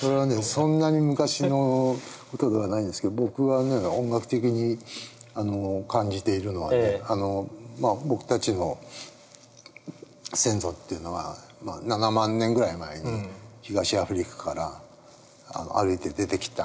そんなに昔の事ではないんですけれども僕が音楽的に感じているのはね僕たちの先祖っていうのは７万年ぐらい前に東アフリカから歩いて出てきた。